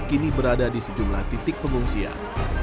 kini berada di sejumlah titik pengungsian